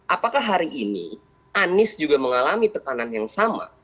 apakah hari ini anies juga mengalami tekanan yang sama